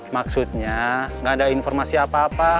maksudnya nggak ada informasi apa apa